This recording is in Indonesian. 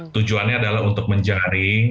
tujuannya adalah untuk menjaring